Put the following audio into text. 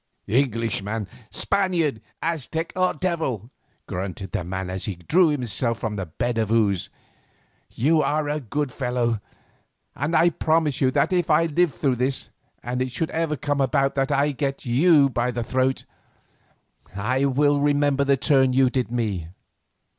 "Englishman, Spaniard, Aztec, or devil," grunted the man as he drew himself from his bed of ooze, "you are a good fellow, and I promise you that if I live through this, and it should ever come about that I get you by the throat, I will remember the turn you did me.